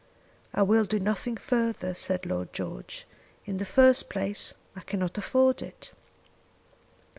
"I will do nothing further," said Lord George. "In the first place I cannot afford it."